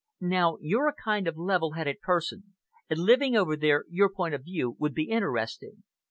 Now you're a kind of level headed person, and living over there, your point of view would be interesting."